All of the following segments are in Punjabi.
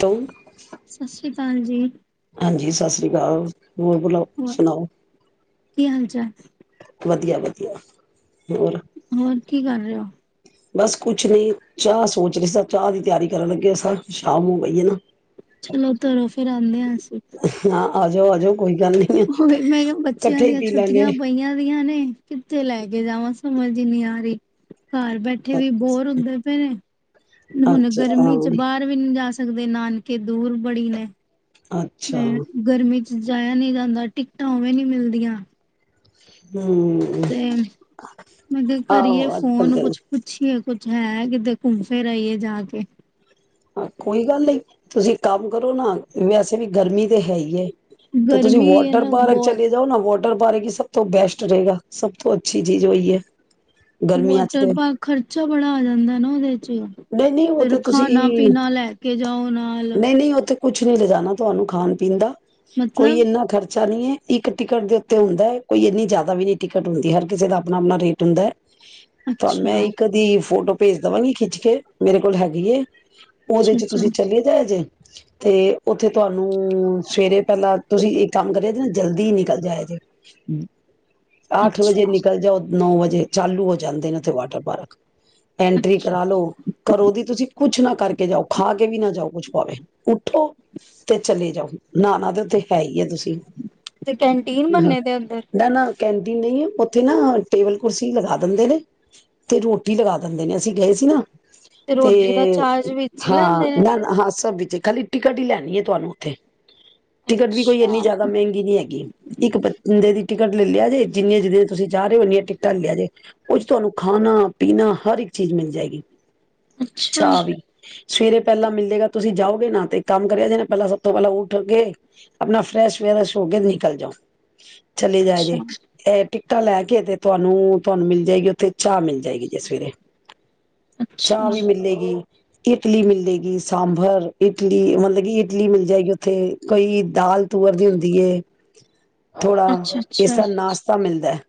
ਤੋੰਗ ਸਤਿ ਸ਼੍ਰੀ ਅਕਾਲ ਜੀ ਹਾਂਜੀ ਸਤਿ ਸ੍ਰੀ ਅਕਾਲ ਹੋਰ ਸੁਣਾਓ ਕੀ ਹਾਲ ਚਾਲ ਵਧੀਆ ਵਧੀਆ ਹੋਰ ਹੋਰ ਕੀ ਕਰ ਰਹੇ ਹੋ ਬਸ ਕੁਝ ਨਹੀਂ ਚਾਹ ਸੋਚ ਰਹੀ ਸਾ ਚਾਹ ਦੀ ਤਿਆਰੀ ਕਰਨ ਲੱਗੇ ਸਨ ਸ਼ਾਮ ਨੂੰ ਪਈ ਹ ਨਾ ਚਲੋ ਤੁਰੋ ਫਿਰ ਕਹਿੰਦਾ ਆ ਨਾ ਆਜੋ ਆਜੋ ਕੋਈ ਗੱਲ ਨਹੀਂ ਉਹੀ ਮੈਂ ਕਿਹਾ ਬੱਚਿਆਂ ਇਕੱਠੇ ਹੀ ਦੀਆਂ ਪੀ ਲੈਂਦੇ ਛੁੱਟੀਆਂ ਪਈਆਂ ਦੀਆਂ ਨੇ ਕਿੱਥੇ ਲੈ ਕੇ ਜਾਵਾਂ ਸਮਝ ਹੀ ਨਹੀਂ ਆ ਰਹੀ ਘਰ ਬੈਠੇ ਵੀ ਬੋਰ ਹੁੰਦੇ ਪਏ ਤੇ ਹੁਣ ਅੱਛਾ ਗਰਮੀ ਚ ਹਾਂ ਬਾਹਰ ਵੀ ਨੀ ਜਾ ਸਕ ਸਕਦੇ ਨਾਨਕੇ ਦੂਰ ਬੜੀ ਨੇ ਅੱਛਾ ਹਮ ਗਰਮੀ ਜਾਇਆ ਨਹੀਂ ਜਾਂਦਾ ਟਿਕਟਾਂ ਉਵੇਂ ਨਹੀਂ ਮਿਲਦੀਆਂ ਹ ਤੇ ਮੈਂ ਕਿ ਕਰੀਏ ਆਹੋ ਅੱਜ ਕੱਲ ਫੋਨ ਦੇ ਕੁਛ ਪੁੱਛੀਏ ਕੁਛ ਹੈ ਕਿਤੇ ਘੁੰਮ ਫਿਰ ਆਈਏ ਜਾ ਕੇ ਕੋਈ ਗੱਲ ਨਹੀਂ ਤੁਸੀਂ ਕੰਮ ਕਰੋ ਨਾ ਵੈਸੇ ਵੀ ਗਰਮੀ ਤੇ ਹੈ ਹੀ ਤੇ ਤੁਸੀਂ ਗਰਮੀ ਹੈ ਵੋਟਰ ਨਾ ਪਾਰਕ ਬਹੁਤ ਚਲੇ ਜਾਓ ਨਾ ਵਟਰ ਬਾਰੇ ਕਿ ਸਭ ਤੋਂ ਬੈਸਟ ਰਹੇਗਾ ਸਭ ਤੋਂ ਅੱਛੀ ਚੀਜ਼ ਉਹੀ ਹੈ ਗਰਮੀਆਂ ਚ ਵੋਟਰ ਤੇ ਪਾਰਕ ਖਰਚਾ ਬੜਾ ਆ ਜਾਂਦਾ ਨਾ ਉਹਦੇ ਚ ਨਹੀਂ ਨਹੀਂ ਉਹ ਫਿਰ ਤੇ ਤੁਸੀਂ ਖਾਣਾ ਪੀਣਾ ਲੈ ਕੇ ਜਾਓ ਨਾਲ ਨਹੀਂ ਨਹੀਂ ਉੱਥੇ ਕੁਛ ਨੀ ਲਿਜਾਨਣਾ ਤੁਹਾਨੂੰ ਖਾਣ ਪੀਣ ਦਾ ਕੋਈ ਮਤਲਬ ਇੰਨਾ ਖ਼ਰਚਾ ਨੀ ਹੈ ਇੱਕ ਟਿਕਟ ਦੇ ਉੱਤੇ ਹੁੰਦਾ ਹੈ ਕੋਈ ਇੰਨੀ ਜ਼ਿਆਦਾ ਵੀ ਨਹੀਂ ਟਿਕਟ ਹੁੰਦੀ ਹਰ ਕਿਸੇ ਦਾ ਆਪਣਾ ਆਪਣਾ ਰੇਟ ਹੁੰਦਾ ਹੈ ਤੁਹਾਨੂੰ ਅੱਛਾ ਮੈਂ ਇੱਕ ਕਦੀ ਫੋਟੋ ਭੇਜ ਦੇਵਾਂਗੀ ਖਿੱਚ ਫੇਰ ਮੇਰੇ ਕੋਲ ਹੈਗੀ ਉਹਦੇ ਅੱਛਾ ਚ ਅੱਛਾ ਤੁਸੀਂ ਚਲੇ ਜਾ ਜੇ ਤੇ ਉੱਥੇ ਤੁਹਾਨੂੰ ਸਵੇਰੇ ਪਹਿਲਾਂ ਤੁਸੀਂ ਇੱਕ ਕੰਮ ਕਰੇ ਜ ਨਾ ਜਲਦੀ ਨਿਕਲ ਜਾਏ ਜੇ ਅੱਠ ਵਜੇ ਅੱਛਾ ਨਿਕਲ ਜਾਓ ਨੌ ਵਜੇ ਚਾਲੂ ਹੋ ਜਾਂਦੇ ਨੇ ਉੱਥੇ ਵਾਟਰ ਪਾਰਕ ਐਂਟਰੀ ਅੱਛਾ ਕਰਾ ਲੋ ਘਰੋ ਦੀ ਤੁਸੀਂ ਕੁਛ ਨਾ ਕਰਕੇ ਜਾਓ ਖਾ ਕੇ ਵੀ ਨਾ ਜਾਓ ਕੁਛ ਭਾਵੇ ਉੱਠੋ ਤੇ ਚਲੇ ਜਾਓ ਨਹਾਣਾ ਤਾਂ ਉੱਥੇ ਹੈ ਹੀ ਹੈ ਤੁਸੀਂ ਤੇ ਕੈਨਟੀਨ ਹਾਂ ਬਨੇ ਦੇ ਅੰਦਰ? ਨਾ ਨਾ ਕੈਂਟੀਨ ਨਹੀਂ ਉੱਥੇ ਨਾ ਟੇਬਲ ਕੁਰਸੀ ਲਗਾ ਦਿੰਦੇ ਨੇ, ਤੇ ਰੋਟੀ ਲਗਾ ਦਿੰਦੇ ਨੇ ਅਸੀਂ ਗਏ ਸੀ ਨਾ ਤੇ ਰੋਟੀ ਦਾ ਚਾਰਜ ਵਿੱਚ ਹੀ ਲੈਂਦੇ ਹਾਂ ਨੇ ਨਾ ਹਾਂ ਸਭ ਤੇ ਖਾਲੀ ਟਿਕਟ ਹੀ ਲੈਨੀ ਏ, ਤੁਹਾਨੂੰ ਉੱਥੇ। ਟਿਕਟ ਵੀ ਕੋਈ ਇੰਨੀ ਅੱਛਾ ਜ਼ਿਆਦਾ ਮਹਿੰਗੀ ਨੀ ਹੈਗੀ, ਇੱਕ ਬੰਦੇ ਦੀ ਟਿਕਟ ਲੈ ਲਿਆ ਜੇ, ਜਿੰਨੀਆਂ -ਜਿਨੀਆਂ ਤੁਸੀਂ ਜਾ ਰਹੇ ਹੋ, ਟਿਕਟਾਂ ਲਿਆ ਜੇ ਉਹ ਚ ਤੁਹਾਨੂੰ ਖਾਨਾ- ਪੀਨਾ ਹਰ ਇੱਕ ਚੀਜ਼ ਮਿਲ ਜਾਏਗੀ। ਅੱਛਾ ਚਾਹ ਵੀ ਸਵੇਰੇ ਪਹਿਲਾਂ ਮਿਲੇਗਾ, ਤੁਸੀਂ ਜਾਓਗੇ ਨਾ ਤੇ ਕੰਮ ਕਰਿਆ ਜੇ, ਨਾ ਪਹਿਲਾਂ ਸਭ ਤੋਂ ਪਹਿਲਾਂ ਉੱਠ ਕੇ, ਆਪਣਾ ਫਰੈਸ਼ ਵਰੈਸ ਹੋ ਕੇ ਨਿਕਲ ਜਾਓ। ਚਲੀ ਜਾਏ ਜੇ ਅੱਛਾ ਇਹ ਟਾ ਲੈ ਕੇ ਤੇ ਤੁਹਾਨੂੰ ਤੁਹਾਨੂੰ ਮਿਲ ਜਾਏਗੀ, ਉੱਥੇ ਚਾਹ ਮਿਲ ਜਾਏਗੀ ਜੇ ਸਵੇਰੇ। ਚਾਹ ਅੱਛਾ ਵੀ ਮਿਲੇਗੀ। ਇਟਲੀ ਮਿਲੇਗੀ, ਸਾਂਬਰ, ਇਟਲੀ ਮਤਲਬ, ਕਿ ਇਟਲੀ ਮਿਲ ਜਾਏਗੀ ਉੱਥੇ ਕੋਈ ਦਾਲ ਤੁਅਰ ਦੀ ਹੁੰਦੀ ਏ। [inaudible] ਅੱਛਾ ਥੋੜ੍ਹਾ ਅੱਛਾ ਇਸਰਾ ਨਾਸ਼ਤਾ ਮਿਲਦਾ ਹੈ।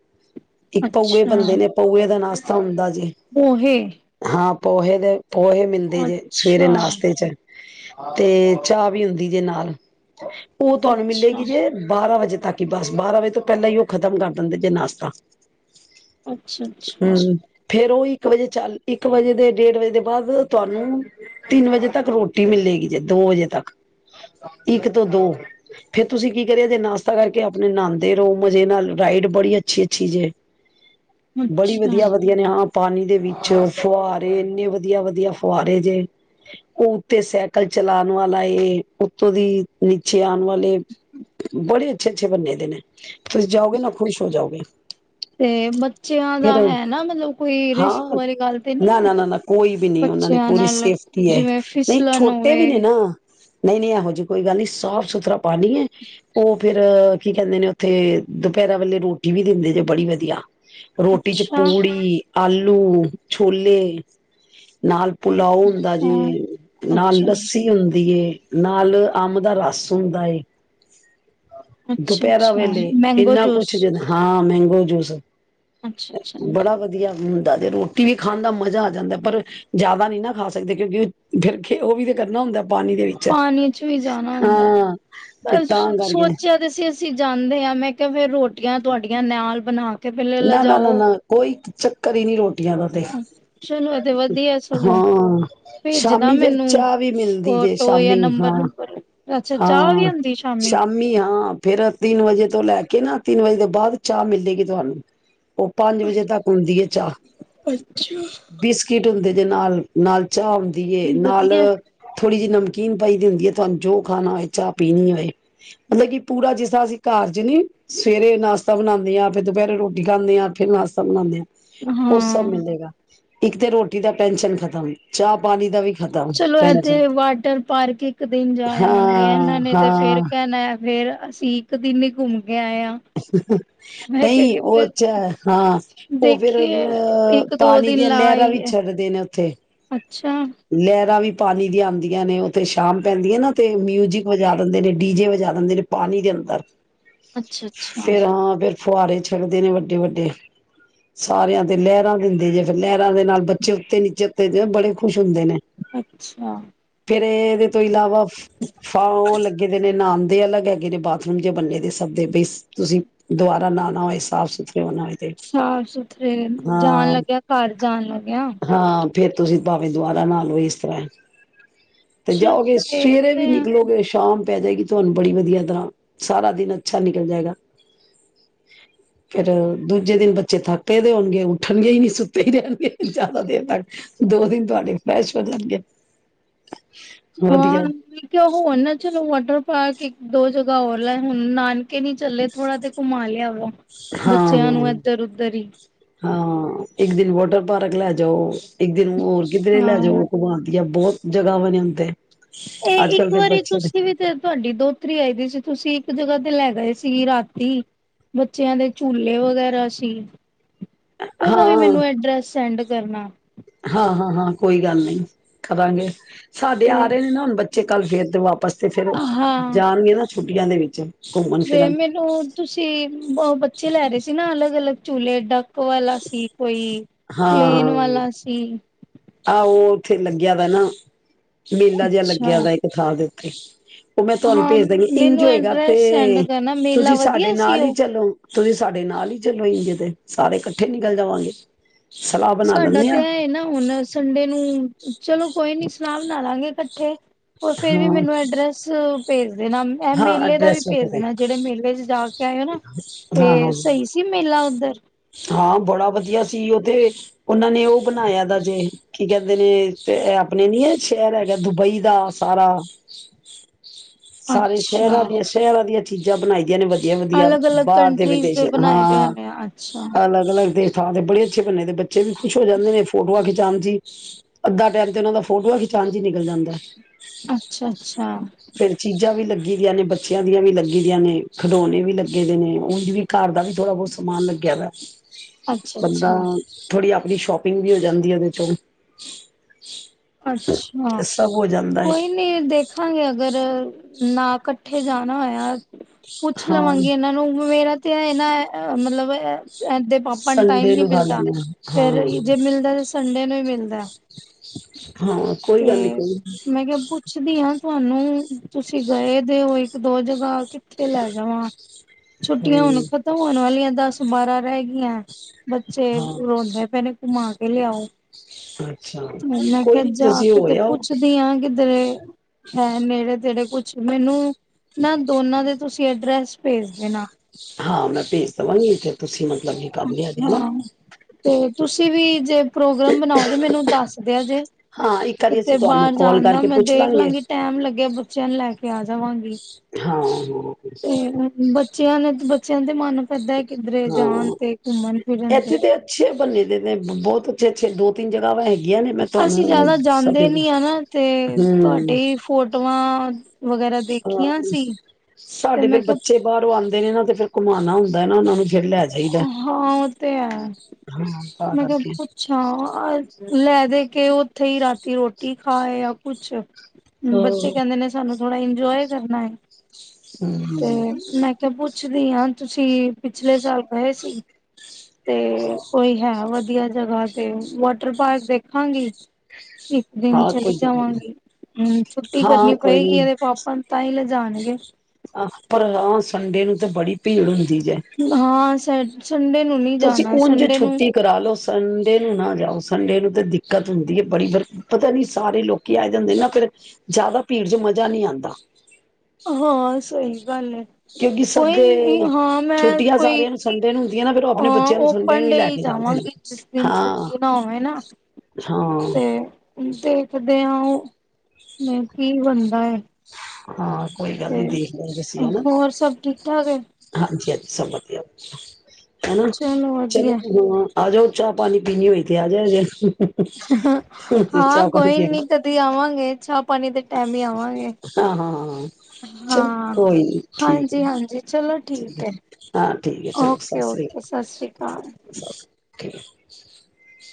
ਇੱਕ ਪਊਏ ਅੱਛਾ ਬੰਦੇ ਨੇ, ਪਊਏ ਦਾ ਨਾਸ਼ ਸੌਂਦਾ ਪੋਹੇ। ਆ ਪੋਹੇ ਦੇ ਪੋਹੇ ਮਿਲਦੇ ਜੇ, ਅੱਛਾ ਸਵੇਰੇ ਨਾਸ਼ਤੇ ਚ। ਤੇ ਚਾਹ ਵੀ ਹੁੰਦੀ ਜੇ ਨਾਲ। ਉਹ ਤੁਹਾਨੂੰ ਅੱਛਾ ਮਿਲੇਗੀ ਜੇ, ਬਾਰਾਂ ਵਜੇ। ਤਾਂ ਕਿ ਬਸ ਬਾਰਾਂ ਵਜੇ ਤੋਂ ਪਹਿਲਾਂ ਹੀ, ਉਹ ਖਤਮ ਕਰ ਦਿੰਦੇ ਜੇ ਨਾਸ਼ਤਾ। ਅੱਛਾ ਹੂੰ। -ਅੱਛਾ। ਫੇਰ ਉਹ ਇੱਕ ਵਜੇ ਚੱਲ ਇੱਕ ਵਜੇ ਦੇ ਡੇਢ ਵਜੇ ਦੇ ਬਾਅਦ, ਤੁਹਾਨੂੰ ਤਿੰਨ ਵਜੇ ਤੱਕ ਰੋਟੀ ਮਿਲੇਗੀ, ਜੇ ਦੋ ਵਜੇ ਤੱਕ ਇੱਕ ਤੋਂ ਦੋ ਫੇਰ ਤੁਸੀਂ ਕੀ ਕਰੀ ਜੇ, ਨਾਸ਼ਤਾ ਕਰਕੇ ਆਪਣੇ ਨਹਾਂਦੇ ਰਹੋ ਮਜ਼ੇ ਨਾਲ, ਰਾਈਡ ਬੜੀ ਅੱਛੀ ਅੱਛੀ ਜੇ। ਬੜੀ ਅੱਛਾ ਵਧੀਆ ਵਧੀਆ ਨੇ ਹਾਂ। ਪਾਨੀ ਦੇ ਵਿੱਚ। ਫੁਹਾਰੇ ਇੰਨੇ ਵਧੀਆ -ਵਧੀਆ ਫੁਹਾਰੇ ਜੇ, ਉਹ ਉੱਤੇ ਸਾਈਕਲ ਚਲਾਉਣ ਵਾਲਾ ਏ, ਉਤੋਂ ਦੀ ਨੀਚੇ ਆਉਣ ਵਾਲੇ ਬੜੇ ਅੱਛੇ -ਅੱਛੇ ਬਨੇ ਦੇ ਨੇ। ਤੁਸੀਂ ਜਾਓਗੇ ਨਾ ਖੁਸ਼ ਹੋ ਜਾਓਗੇ ਤੇ ਬੱਚਿਆਂ ਫਿਰ ਦਾ ਹੈ ਨਾ, ਮਤਲਬ ਕੋਈ ਰਿਸਕ ਵਾਲੀ ਗੱਲ ਤੇ ਨਹੀਂ ਨਾ ਹੈ ਨਾ ਨਾ ਨਾ ਕੋਈ ਵੀ ਨਹੀਂ ਉਹਨਾਂ ਨੇ ਬੱਚਿਆਂ ਪੂਰੀ ਨਾਲ ਸੇਫਟੀ ਹੈ, ਜਿਵੇਂ ਨਹੀਂ ਫਿਸਲਨ ਛੋਟੇ ਵੀ ਹੋਵੇ ਨੇ ਨਾ। ਨਹੀਂ ਨਹੀਂ ਇਹੋ ਜਿਹੀ ਕੋਈ ਗੱਲ ਨੀ ਸਾਫ਼ ਸੁਥਰਾ ਪਾਣੀ ਏ, ਉਹ ਫੇਰ ਕੀ ਕਹਿੰਦੇ ਨੇ, ਉੱਥੇ ਦੁਪਹਿਰਾ ਵੇਲੇ ਰੋਟੀ ਵੀ ਦਿੰਦੇ ਜੇ ਬੜੀ ਵਧੀਆ। ਰੋਟੀ ਚ ਅੱਛਾ ਪੂੜੀ, ਆਲੂ ਲੂ ਛੋਲੇ, ਨਾਲ ਪੁਲਾਓ ਹੁੰਦਾ ਹਾਂ ਜੇ ਨਾਲ ਅੱਛਾ ਲੱਸੀ ਹੁੰਦੀ ਏ। ਨਾਲ, ਅਮ ਦਾ ਰਸ ਹੁੰਦਾ ਏ। ਅੱਛਾ ਦੁਪਹਿਰਾਂ ਅੱਛਾ ਵੇਲੇ, ਮੈਂਗੋ ਇੰਨਾ ਜੂਸ ਕੁਛ ਦੇ ਹਾਂ ਮਹਿੰ ਜੂਸ ਅੱਛਾ ਅੱਛਾ। ਬੜਾ ਵਧੀਆ ਹੁੰਦਾ ਜ਼ਰੂਰ ਕੀਵੀ ਖਾਣ ਦਾ ਮਜ਼ਾ ਆ ਜਾਂਦਾ ਪਰ ਜ਼ਿਆਦਾ ਨੀ ਨਾ ਖਾ ਸਕਦੇ ਕਿਉਂਕਿ ਫਿਰ ਉਹ ਵੀ ਤੇ ਕਰਨਾ ਹੁੰਦਾ ਪਾਣੀ ਦੇ ਵਿੱਚ ਪਾਣੀ ਚ ਵੀ ਜਾਣਾ ਹੁੰਦਾ ਹਾਂ ਫੇਰ ਬਸ ਤਾਂ ਕਰਕੇ। ਸੋਚਿਆ ਤੇ ਸੀ ਜਾਂਦੇ ਹਾਂ, ਮੈਂ ਕਿਹਾ ਫਿਰ ਰੋਟ ਰੋਟੀਆਂ ਤੁਹਾਡੀਆਂ ਨਾਲ ਬਨਾ ਕੇ ਪਹਿਲੇ ਨਾ ਨਾ ਨਾ ਲਿਜਾਓ ਨਾ, ਕੋਈ ਚੱਕਰ, ਹੀ ਨੀ ਰੋਟ ਇਆਂ ਦਾ ਤੇ ਚਲੋ ਇਹ ਤੇ ਵਧੀਆ ਸਗੋਂ ਹਾਂ ਭੇਜਦਾ ਸ਼ਾਮੀ ਫੇਰ ਮੈਨੂੰ ਚਾਹ ਵੀ ਮਿਲਦੀ, ਜੇ ਫੋਟੋ ਜਾਂ ਸ਼ਾਮੀ ਨੰਬਰ ਹਾਂ। ਨੁੰਬਰ ਅੱਛਾ ਚਾਹ ਵੀ ਹਾਂ ਹੁੰਦੀ ਸ਼ਾਮੀ? ਹਾਂ ਫੇਰ ਤਿੰਨ ਵਜੇ ਤੋਂ ਲੈ ਕੇ ਨਾ, ਤਿੰਨ ਵਜੇ ਤੋਂ ਬਾਅਦ ਚਾਹ ਮਿਲੇਗੀ ਤੁਹਾਨੂੰ। ਉਹ ਪੰਜ ਵਜੇ ਤੱਕ ਹੁੰਦੀ ਹੈ ਚਾਹ, ਬਿਸਕਿਟ ਹੁੰਦੇ ਦੇ ਨਾਲ-ਨਾਲ ਚਾਹ ਹੁੰਦੀ ਏ ਨਾਲ ਵਧੀਆ ਥੋੜ੍ਹੀ ਜ਼ੀ ਨਮਕੀਨ, ਪਾਈਦੀ ਹੁੰਦੀ ਤੁਹਾਨੁੰ ਜੋ ਖਾਣਾ ਹੋਏ ਚਾਹ ਪੀਣੀ ਹੋਏ, ਮਤਲਬ ਕਿ ਪੂਰਾ ਜਿਸ ਤਰ੍ਹਾਂ ਅਸੀਂ ਘਰ ਚ ਨੀ ਸਵੇਰੇ ਨਾਸ਼ਤਾ ਬਨਾਨੇ, ਆ ਫਿਰ ਦੁਪਿਹਰੇ ਰੋਟੀ ਖਾਂਦੇ ਹਾਂ, ਫਿਰ ਨਾਸ਼ਤਾ ਬਨਾਨੇ ਆ। ਉਹ ਸਭ ਹਾਂ ਮਿਲੇਗਾ। ਇੱਕ ਤੇ ਰੋਟੀ ਦਾ ਟੈਨਸ਼ਨ ਖਤਮ ਚਾ ਚਲੋ ਇੱਥੇ, ਵਾਟਰ ਪਾਰਕ ਇੱਕ ਦਿਨ ਜਾ ਆਵਾਂਗੇ, ਇਹਨਾਂ ਹਾਂ ਨੇ ਤੇ ਫੇਰ ਹਾਂ ਕਹਿਣਾ ਫੇਰ ਅਸੀਂ ਇੱਕ ਦਿਨ ਹੀ ਘੁੰਮ ਕੇ ਆਏ ਹਾਂ ਮੈਂ ਕਿਹਾ ਨਈ ਉਹ ਕਿਤੇ ਤੇ ਹਾਂ, ਉਹ ਫੇਰ ਦੇਖੀਏ ਅ ਇੱਕ ਦੋ ਪਾਣੀ ਦਿਨ ਦੀਆਂ ਲਾ ਲਹਿਰਾਂ ਵੀ ਆਈਏ ਛੱਡਦੇ ਨੇ ਉੱਥੇ। ਅੱਛਾ ਲਹਿਰਾਂ ਵੀ ਪਾਨੀ ਦੀਆਂ ਆਦੀਆਂ ਨੇ ਉੱਥੇ ਸ਼ਾਮ ਪੈਂਦੀ ਆ ਨਾ ਤੇ ਮਿਊਜਿਕ ਵਜਾ ਦਿੰਦੇ ਨੇ, ਡੀ ਜੇ ਵਜਾ ਦਿੰਦੇ ਨੇ, ਪਾਨੀ ਦੇ ਅੰਦਰ। ਅੱਛਾ -ਅੱਛਾ ਫੁਆਰੇ ਛੱਡਦੇ ਨੇ, ਵੱਡੇ ਵੱਡੇ ਸਾਰਿਆਂ ਤੇ ਲਹਿਰਾਂ ਦਿੰਦੇ ਜੇ ਫਿਰ ਲਹਿਰਾਂ ਦੇ ਨਾਲ ਬੱਚੇ ਉੱਤੇ ਨੀਚੇ ਉੱਤੇ ਜ ਬੜੇ [unintelligible] ਦੇ ਨੇ ਅੱਛਾ ਫਿਰ ਇਹਦੇ ਤੋਂ ਇਲਾਵਾ ਫ ਫਾਂਓ ਲੱਗੇ ਦੇ ਨੇ ਨਾਨ ਦੇ ਅਲੱਗ ਹੈਗੇ ਨੇ ਬਾਥਰੂਮ ਜ ਬੰਨੇ ਦੇ ਸਭ ਦੇ ਬੀਸ ਤੁਸੀਂ ਦੁਬਾਰਾ ਨਾਨਾ ਹੋਏ ਸਾਫ਼ ਸੁਥਰੇ ਹੋਣਾ ਹੋਏ ਤੇ ਸਾਫ ਸੁਥਰੇ ਜਾਣ ਹਾਂ ਲੱਗਿਆ ਘਰ ਜਾਣ ਲ ਗਿਆ ਫਿਰ ਤੁਸੀਂ ਭਾਵੇਂ ਦੁਵਾਰਾ ਨਾਲੋਂ ਇਸ ਤਰ੍ਹਾਂ ਏ ਤੇ ਚਲੋ ਜਾਓਗੇ ਸਵੇਰੇ ਵੀ ਦੇਖਦੇ ਹਾਂ ਨਿਕਲੋਗੇ ਸ਼ਾਮ ਪੈ ਜਾਏਗੀ ਤੁਹਾਨੂੰ ਬੜੀ ਵਧੀਆ ਤਰ੍ਹਾਂ ਸਾਰਾ ਦਿਨ ਅੱਛਾ ਨਿਕਲ ਜਾਏਗਾ ਫੇਰ ਦੂਜੇ ਦਿਨ ਬੱਚੇ ਥਕੇ ਦੇ ਹੋਨਗੇ ਉੱਠਣਗੇ ਹੀ ਨਹੀਂ ਸੁੱਤੇ ਹੀ ਰੇਨ ਜ਼ਿਆਦਾ ਦੇਰ ਤਕ ਦੋ ਦਿਨ ਤੁਹਾਡੀ ਫੈਸ਼ ਹੋ ਜਾਨਗੇ ਹਾਂ ਕਿ ਹੋ ਨਾ ਚ ਪਾਰਕ ਇੱਕ ਦੋ ਜਗ੍ਹਾ ਹੋਰਲਾ ਹੁਣ ਨਾਨਕੇ ਨੀ ਚੱਲੇ ਥੋੜਾ ਤੇ ਘੁੰਮਾ ਲਿਆ ਹਾਂ ਬੱਚਿਆਂ ਨੂੰ ਹਾਂ ਇੱਧਰ ਉਧਰ ਹੀ ਹਾਂ ਇੱਕ ਦਿਨ ਵਾਟਰ ਪਾਰਕ ਲੈ ਜਾਓ। ਇੱਕ ਦਿਨ ਹੋਰ ਕਿੱਧਰੇ ਲੈ ਜਾਓ ਹਾਂ ਘੁੰਮਣ ਦੀਆਂ ਬਹੁਤ ਜਗ੍ਹਾਵਾ ਨੇ ਹੁਣ ਤੇ ਇਹ ਅੱਜ ਕੱਲ ਇੱਕ ਦੇ ਵਾਰੀ ਬੱਚੇ ਨੇ ਤੁਸੀਂ ਵੀ ਤੇ ਤੁਹਾਡੀ ਦੋਤਰੀ ਆਈ ਪਈ ਸੀ ਤੁਸੀਂ ਇੱਕ ਜਗ੍ਹਾ ਤੇ ਲੈ ਗਏ ਸੀ ਰਾਤੀ ਬੱਚਿਆਂ ਦੇ ਝੂਲੇ ਵਗੈਰਾ ਸੀ ਉਹਦਾ ਵੀ ਹਾਂ ਮੈਨੂੰ ਐਡਰੈਸ ਸੈਂਡ ਕਰਨਾ ਹਾਂ ਹਾਂ ਹਾਂ ਕੋਈ ਗੱਲ ਨਹੀਂ ਕਰਾਂਗੇ ਸਾਡੇ ਤੇ ਆ ਰਹੇ ਨੇ ਨਾ ਹੁਣ ਬੱਚੇ ਜੇ ਕੱਲ ਫੇਰ ਤੋਂ ਆਪ ਪਸ ਤੇ ਫੇਰ ਹਾਂ ਜਾਣਗੇ ਨਾ ਛੁੱ ਟੀਆਂ ਦੇ ਵਿੱਚ ਘੁੰਮਣ ਤੇ ਫਿਰਨ ਮੈਨੂੰ ਤੁਸੀਂ ਬ ਬੱਚੇ ਲੈ ਰਹੇ ਸੀ ਨਾ ਅਲੱਗ ਅਲੱਗ ਝੂਲੇ ਡੱ ਕ ਵਾਲਾ ਸੀ ਕੋਈ, ਹਾਂ ਪਲੇਨ ਵਾਲਾ ਸੀ। ਆਹੋ ਉੱਥੇ ਲੱਗਿਆ ਵਾ ਨਾ ਮੇਲਾ ਜਿਹਾ ਅੱਛਾ ਲੱਗਿਆ ਵਾ ਇੱਕ ਥਾਂ ਦੇ [unintelligible] ਉਹ ਮੈਂ ਤੁਹਾਨੂੰ ਹਾਂ ਭੇਜ ਦੇਵਾਂਗੀ ਇੰਝ ਮੈਨੂੰ ਹੋਏਗਾ ਤੇ ਐਡਰੈਸ ਸੈਂਡ ਕਰਨਾ ਮੇਲਾ ਤੁਸੀਂ ਸਾਡੇ ਵਧੀਆ ਸੀ ਨਾਲ ਹੀ ਉਹ ਚਲੋ ਤੁਸੀਂ ਸਾਡੇ ਨਾਲ ਹੀ ਚਲੋਗੇ ਤੇ ਸਾਰੇ ਇਕੱਠੇ ਨਿਕਲ ਜਾਵਾਂਗੇ ਸਲਾਹ ਬਣਾ ਸਾਡਾ ਲੈਂਦੇ ਤੇ ਹਾਂ ਇਹ ਨਾ ਹੁਣ ਸੰਡੇ ਨੂੰ ਚਲੋ ਕੋਈ ਨੀ ਸਲਾਹ ਬਣਾ ਲਾਂਗੇ ਇਕੱਠੇ ਉਹ ਫੇਰ ਵੀ ਹਾਂ ਮੈਨੂੰ ਐਡਰੈਸ ਭੇਜ ਦੇਵੋ ਇਹ ਹਾਂ ਮੇਲੇ ਦਾ ਵੀ ਐਡਰੈਸ ਭੇਜ ਵਗੈਰਾ ਦੇਣਾ ਜਿਹੜੇ ਮੇਲੇ ਚ ਜਾ ਕੇ ਆਏਓ ਨਾ ਹਾਂ ਤੇ ਹਾਂ ਸਹੀ ਸੀ ਮੇਲਾ ਉੱਧਰ ਜੀ ਉਥੇ ਉਹਨਾਂ ਨੇ ਉਹ ਬਣਾਇਆ ਦਾ ਜੇ ਕੀ ਕਹਦੇ ਨੇ ਆਪਣੇ ਨੀ ਹੈ ਸ਼ਹਿਰ ਹੈਗਾ ਦੁਬਈ ਦਾ ਸਾਰਾ ਸਾਰੇ ਸ਼ਹਿਰਾਂ ਅੱਛਾ ਦੀਆਂ ਸ਼ਹਿਰਾਂ ਦੀਆਂ ਚੀਜ਼ਾਂ ਬਣਾਈਆਂ ਨੇ ਵਧੀਆ ਅਲੱਗ ਵਧੀਆ-ਵਧੀਆ ਅਲੱਗ ਬਾਹਰ ਦੇ ਕੰਟਰੀਜ਼ ਵਿਦੇਸ਼, ਬਣਾਏ ਦੇ ਹਾਂ ਹੋਣੇ ਆ ਅੱਛਾ ਅਲੱਗ-ਅਲੱਗ ਦੇ ਥਾਂ ਤੇ ਬੜੇ ਅੱਛੇ ਬੰਨੇ ਦੇ ਬੱਚੇ ਵੀ ਖੁਸ਼ ਹੋ ਜਾਂਦੇ ਨੇ ਫੋਟੋਆਂ ਖਿਚਾਣ ਚੀ, ਅੱਧਾ ਟਾਈਮ ਤੇ ਉਹਨਾ ਦਾ ਫੋਟੋਆਂ ਖਿਚਾਣ ਚ ਹੀ ਨਿਕਲ ਜਾਂਦਾ। ਅੱਛਾ-ਅੱਛਾ। ਫੇਰ ਚੀਜ਼ਾਂ ਵੀ ਲੱਗੀ ਦੀਆਂ ਨੇ, ਬੱਚਿਆਂ ਦੀਆਂ ਵੀ ਲੱਗੀ ਦੀਆਂ ਨੇ, ਖਿਡੋਣੇ ਵੀ ਲੱਗੇ ਦੇ ਨੇ, ਉਝ ਵੀ ਘਰ ਦਾ ਵੀ ਥੋੜ੍ਹਾ ਬਹੁਤ ਸਮਾਨ ਲੱਗਿਆ ਦਾ। ਅੱਛਾ ਬੰਦਾ ਅੱਛਾ ਥੋੜੀ ਆਪ ਸ਼ੋਪਿੰਗ ਵੀ ਹੋ ਜਾਂਦੀ ਉਹਦੇ ਚੋਂ। ਅੱਛਾ। ਤੇ ਸਭ ਹੋ ਜਾਂਦਾ ਹੈ ਕੋਈ ਨੀ ਦੇਖਾਂਗੇ ਅਗਰ ਨਾ ਇਕੱਠੇ ਜਾਣਾ ਆਇਆ ਪੁੱਛ ਹਾਂ ਲਵਾਂਗੀ ਇਨ੍ਹਾਂ ਨੂੰ ਮੇਰਾ ਤੇ ਇਹਨਾਂ ਮਤਲਬ ਅ ਏਦੇ ਪਾਪਾ ਨੂੰ ਟਾਈਮ ਸੰਡੇ ਨੀ ਖਾ ਮਿਲਦਾ ਲੈਂਦੇ ਹਾਂ ਫੇਰ ਜੇ ਮਿਲਦਾ ਸੰਡੇ ਨੂੰ ਮਿਲਦਾ ਹਾਂ ਹਾਂ ਕੋਈ ਤੇ ਗੱਲ ਨੀ ਕੋਈ ਮੈਂ ਕਿਹਾ ਪੁੱਛਦੀ ਹਾਂ। ਤੁਹਾਨੂੰ ਤੁਸੀਂ ਗਏ ਦੇ ਹੋ, ਇੱਕ ਦੋ ਜਗ੍ਹਾ ਕਿੱਥੇ ਲੈ ਜਾਵਾਂ। ਛੁੱਟੀਆਂ ਹਮ ਹੁਣ ਖ਼ਤਮ ਹੋਣ ਵਾਲੀਆਂ ਦੱਸ ਬਾਰਾਂ ਰਹਿ ਗਈਆਂ। ਬੱਚੇ ਹਾਂ ਰੋਂਦੇ ਪੇਨੇ ਘੁਮਾ ਕ ਵੇਲੇ ਆੳ [unintelligible] [inaudible] ਮੈਂ ਕੋਈ ਕਿਹਾ ਨੀ ਜਾ ਤੁਸੀਂ ਹੋ ਕੇ ਤੇ ਆਓ ਪੁੱਛਦੀ ਹਾਂ, ਕਿਧਰੇ ਹੈ ਨੇੜੇ-ਤੇੜੇ ਕੁਛ ਮੈਨੂੰ ਨਾ ਦੋਨਾਂ ਦੇ ਤੁਸੀਂ ਅਡਰੈਸ ਭੇਜ ਦੇ ਨਾ। ਹਾਂ ਮੈਂ ਭੇਜਦਵਾ ਗੀ ਲਿਖੇ। ਹਾਂ, ਤੇ ਤੁਸੀਂ ਵੀ ਜੇ ਪ੍ਰੋਗਰਾਮ ਬਣਾਓ ਤੇ ਮੈਨੂੰ ਦੱਸਦੇਆ ਜੇ ਹਾਂ ਇੱਕ ਵਾਰੀ ਕਿਤੇ ਅਸੀਂ ਤੁਹਾਨੂੰ ਬਾਹਰ ਕਾਲ ਜਾਣ ਦਾ ਕਰਕੇ ਮੈਂ ਪੁੱਛ ਦੇਖ ਲਾਂਗੇ ਲਾਂਗੀ ਟੈਮ ਲੱਗਿਆ ਬੱਚਿਆਂ ਨੂੰ ਲੈ ਕੇ। ਤੇ ਆਜਾਵਾਂ ਗੀ। ਹਾਂ ਬੱਚਿਆਂ ਨੇ ਬੱਚਿਆਂ ਦੇ ਮਨ ਸੱਦਾਰੇ [unintelligible] ਹਾਂ ਇੱਥੇ ਤੇ ਅੱਛੇ ਬੰਨੇ ਦੇ ਨੇ ਬਹੁਤ ਅੱਛ-ਅੱਛ ਦੋ-ਤੀਨ ਜਗਾ ਵੇ। ਅਸੀਂ ਜਿਆਦਾ ਜਾਂਦੇ ਨੀ ਆ ਨਾ ਤੇ ਤੁਹਾਡੀੇ ਫੋਟਆਂ ਹਾਂ ਤੇ ਸਾਡੇ ਫਰ ਮੈਂ ਕਿਹਾ ਬੱਚੇ ਬਾਹਰੋਂ ਆਉਂਦ ਦੇਣਾ ਫਿਰ ਘੁਮਾਨਣਾ ਹੁੰਦਾ ਹੈ ਨਾ ਉਹਨਾਂ ਨੂੰ। ਫਿਰ ਲੈ ਜਾਈਦਾ ਹਾਂ ਉਹ ਤੇ ਹੈ। ਹਾਂ ਤਾਂ ਮੈਂ ਕਿਹਾ ਕਰਕੇ ਪੁੱਛਾ ਲੈ ਦੇ ਕੇ ਉੱਥੇ ਹੀ ਰਾਤੀ ਰੋਟੀ ਖਾਏ ਜਾਂ ਕੁਛ ਹੁਣ ਬੱਚੇ ਹਾਂ ਕਹਿੰਦੇ ਨੇ ਸਾਨੂੰ ਥੋੜਾ ਇੰਜੋਏ ਕਰਨਾ ਹੈ। ਤੇ ਹਮ ਮੈਂ ਕਿਹਾ ਬ ਪੁੱਛਦੀ ਹਾਂ ਤੁਸੀਂ ਪਿਛਲੇ ਸਾਲ ਗਏ ਸੀ ਸੀ। ਤੇ ਕੋਈ ਹੈ। ਵਧੀਆ ਜਗ੍ਹਾ ਹੋਏ ਤੇ ਵਾਟਰ ਪਾਰਕ ਦੇਖਾਂਗੀ ਇੱਕ ਦਿਨ ਹਾਂ ਕੋਈ ਚਲੀ ਦਿੱਕਤ ਜਾਵਾਂਗੀ ਹੂ ਛੁੱਟੀ ਹਾਂ ਕਰਨੀ ਕੋਈ ਨੀ ਪਏਗੀ ਇਹ ਤੇ ਪਾਪਾ ਨੂੰ ਤਾਂ ਹੀ ਲਿਜਣਗੇ। ਤਾਂ ਹਾ ਸੰਡੇ ਨੂੰ ਤਾਂ ਬੜੀ ਭੀੜ ਹੁੰਦੀ ਜੇ ਹਾਂ ਸ਼ਹਦ ਤੁਸੀਂ ਉਝ ਛੁੱਟੀ ਕਰਾ ਲਓ ਸੰਡੇ ਨੂੰ ਨਾ ਜਾਓ ਠੰਡੇ ਨੂੰ ਤਾਂ ਦਿੱਕਤ ਹੁੰਦੀ ਹੈ। ਬੜੀ ਵ ਪਤਾ ਨੀ ਸਾਰੇ ਲੋਕੀ ਆਏ ਦੇ ਹੁੰਦੇ ਨਾ ਫਿਰ ਜ਼ਿਆਦਾ ਭੀੜ ਚ ਮਜ਼ਾ ਨਹੀ ਆਉਂਦਾ ਹਾਂ ਸਹੀ ਗੱਲ ਹੈ। ਕਿਉਂਕਿ ਕੋਈ ਨੀ ਸਦੇ ਹਾਂ ਛੁੱਟੀਆਂ ਸਾਰੀਆਂ ਨੂੰ ਸੰਡੇ ਨੂੰ ਹੁੰਦੀਆਂ ਨਾ ਫੇਿਰ ਉਹ ਅ ਆਪਣੇ ਬੱਚਿਆਂ ਨੂੰ ਸੰਡੇ ਓਪਨ ਨੂੰ ਡੇ ਲੈ ਹੀ ਕੇ ਜਾਂਦੇ ਨੇ ਜਾਵਾਂਗੀ ਜਿਸ ਦਿਨ ਹਾਂ ਛੁੱਟੀ ਨਾ ਹੋਵੇ ਨਾ ਹਾਂ ਤੇ ਦੇਖਦੇ ਹਾਂ। ਕੀ ਬਣਦਾ- ਹਾਂ- ਕੋਈ ਗੱਲ ਨੀ ਤੇ ਦੇਖ ਦੇਖਦੇ ਆਂ ਅਸੀਂ ਹਨਾ ਹੋਰ ਸਭ ਠੀਕ ਠਾਕ ਹੈ ਹਾਂਜੀ ਅ ਸਭ ਵਧੀਆ ਹਨਾ ਚਲੋ ਵਧੀਆ ਚਲੋ ਹਾਂ ਆ ਜਾਓ ਚਾਹ ਪਾਣੀ ਪੀਣੀ ਹੋਏ ਤੇ ਆਜੇ ਹਜੇ ਹਾਂ ਕੋਈ ਨੀ ਪੀਣਾ ਕਦੇ ਆਵਾਂਗੇ ਛਾਪ [unintelligible] ਪਾਣੀ ਦੇ ਟੈਮ ਹੀ ਆਵਾਂਗੇ ਹਾਂ ਹਾਂ ਹਾਂ ਚਲ ਹਾਂ ਕੋਈ ਨੀ ਠੀਕ ਹੈ ਹਾਂਜੀ -ਹਾਂਜੀ ਚਲੋ ਠੀਕ ਹੈ। ਹਾਂ ਠੀਕ ਹੈ ਚਲੋ ਸਤਿ ਓਕੇ ਸ੍ਰੀ ਓਕੇ ਸਤਿ ਸ਼੍ਰੀ ਅਕਾਲ। [inaudible]